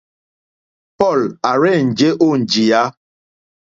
Paul à rzênjé ó njìyá.